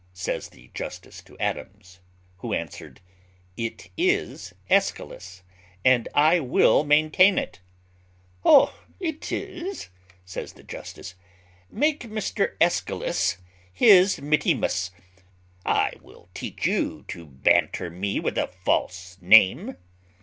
says the justice to Adams; who answered, "It is Aeschylus, and I will maintain it." "Oh! it is," says the justice: "make Mr Aeschylus his mittimus. I will teach you to banter me with a false name."